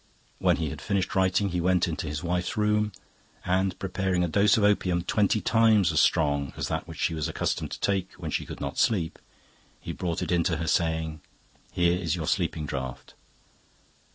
When he had finished writing he went into his wife's room, and preparing a dose of opium twenty times as strong as that which she was accustomed to take when she could not sleep, he brought it to her, saying, 'Here is your sleeping draught.